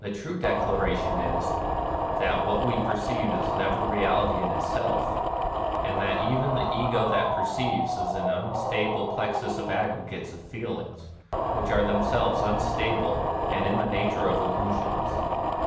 The true declaration is, that what we perceive is never reality in itself, and that even the Ego that perceives" is an unstable 224 NIRVANA plexus of aggregates of feelings whicli are themselves unstable and in the nature of illu sions.